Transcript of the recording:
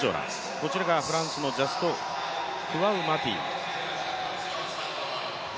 こちらがフランスのジャスト・クワウマティ。